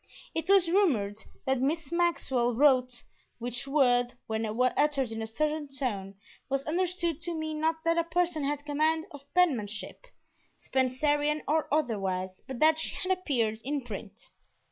It was rumored that Miss Maxwell "wrote," which word, when uttered in a certain tone, was understood to mean not that a person had command of penmanship, Spencerian or otherwise, but that she had appeared in print.